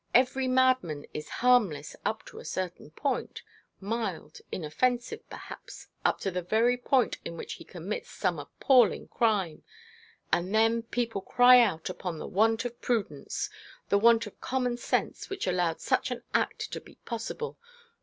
Every madman is harmless up to a certain point mild, inoffensive, perhaps, up to the very moment in which he commits some appalling crime. And then people cry out upon the want of prudence, the want of common sense which allowed such an act to be possible.